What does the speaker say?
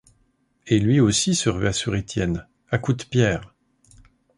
Et lui aussi se rua sur Étienne, à coups de pierres.